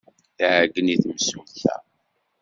Tɛeyyen i temsulta.